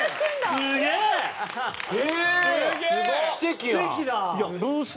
すげえ！